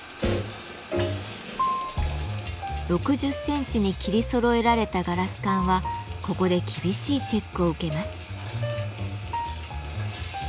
６０センチに切りそろえられたガラス管はここで厳しいチェックを受けます。